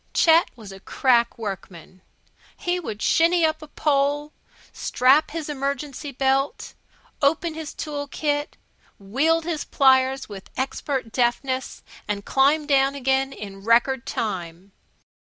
Chet was a crack workman. He could shinny up a pole, strap his emergency belt, open his tool kit, wield his pliers with expert deftness, and climb down again in record time.